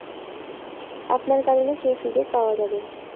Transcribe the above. আপনার কারণে সেই সুযোগ পাওয়া যাবে।